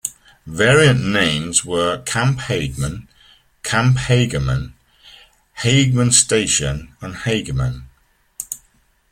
Variant names were Camp Hageman, Camp Hagerman, Hageman Station, and Hagerman.